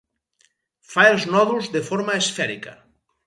Fa els nòduls de forma esfèrica.